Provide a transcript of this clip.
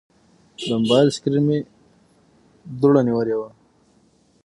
د موبایل سکرین مې دوړه نیولې وه.